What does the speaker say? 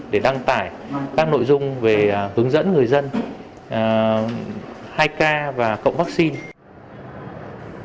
để đăng tải các nội dung về hướng dẫn người dân hai k và cộng vaccine